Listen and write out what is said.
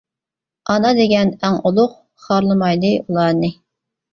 ئانا دېگەن ئەڭ ئۇلۇغ، خارلىمايلى ئۇلارنى.